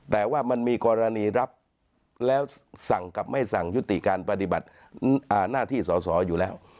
แต่ว่ามันมีกรณีรับแล้วสั่งกับไม่สั่งยุติการปฏิบัติหน้าที่สอสออยู่แล้ว